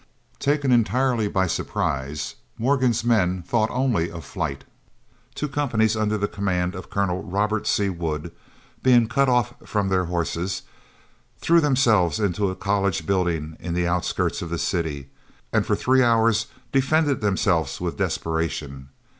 Taken entirely by surprise, Morgan's men thought only of flight. Two companies under the command of Colonel Robert C. Wood being cut off from their horses, threw themselves into a college building in the outskirts of the city, and for three hours defended themselves with desperation.